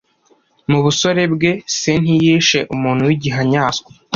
mu busore bwe se ntiyishe umuntu w'igihanyaswa